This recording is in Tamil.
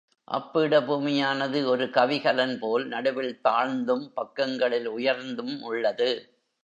அப் பீடபூமியானது ஒரு கவிகலன் போல் நடுவில் தாழ்ந்தும், பக்கங்களில் உயர்ந்தும் உள்ளது.